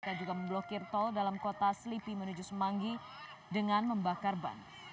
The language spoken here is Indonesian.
mereka juga memblokir tol dalam kota selipi menuju semanggi dengan membakar ban